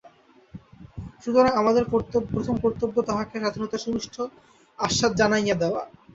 সুতরাং আমাদের প্রথম কর্তব্যতাহাকে স্বাধীনতার সুমিষ্ট আস্বাদ জানাইয়া দেওয়া।